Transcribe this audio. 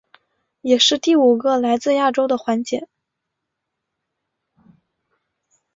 也是第五个来自亚洲的环姐。